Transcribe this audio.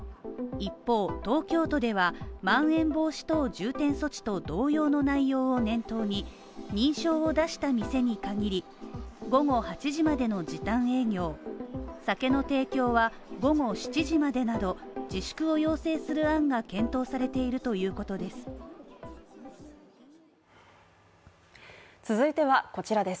一方、東京都では、まん延防止等重点措置と同様の内容を念頭に、認証を出した店に限り午後８時までの時短営業、酒の提供は午後７時までなど、自粛を要請する案が検討されているということです。